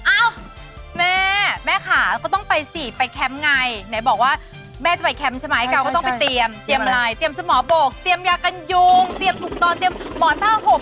เอ้าแม่แม่ขาก็ต้องไปสิไปแคมป์ไงไหนบอกว่าแม่จะไปแคมป์ใช่ไหมเก่าก็ต้องไปเตรียมเตรียมอะไรเตรียมสมอบกเตรียมยากันยุงเตรียมอุปกรณ์เตรียมหมอ๕๖